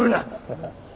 ハハハ。